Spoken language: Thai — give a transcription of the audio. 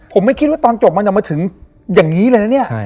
ผมไม่คิดว่าตอนจบมันจะมาถึงอย่างนี้เลยนะเนี่ย